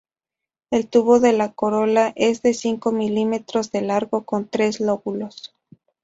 El tubo de la corola es de cinco milímetros de largo con tres lóbulos.